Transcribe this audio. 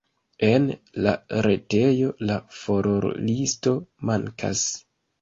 En la retejo la furorlisto mankas.